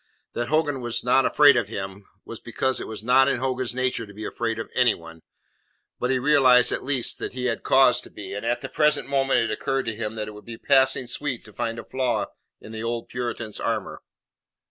That Hogan was not afraid of him, was because it was not in Hogan's nature to be afraid of anyone. But he realized at least that he had cause to be, and at the present moment it occurred to him that it would be passing sweet to find a flaw in the old Puritan's armour.